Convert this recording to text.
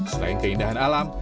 selain keindahan alam